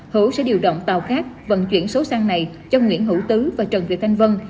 hữu sẽ điều động tàu khác vận chuyển số sang này cho nguyễn hữu tứ và trần việt thanh vân